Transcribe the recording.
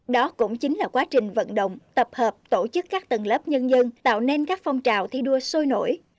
đó cũng chính là quá trình vận động tập hợp tổ chức các tầng lớp nhân dân tạo nên các phong trào thi đua sôi nổi